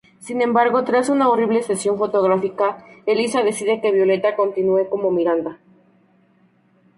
Sin embargo, tras una horrible sesión fotográfica, Elisa decide que Violeta continúe como Miranda.